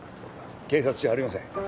警察じゃありません。